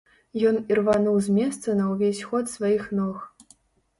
Ён ірвануў з месца на ўвесь ход сваіх ног.